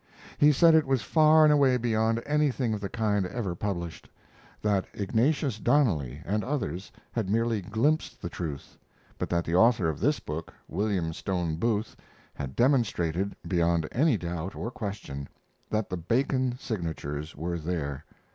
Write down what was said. He said it was far and away beyond anything of the kind ever published; that Ignatius Donnelly and others had merely glimpsed the truth, but that the author of this book, William Stone Booth, had demonstrated, beyond any doubt or question, that the Bacon signatures were there.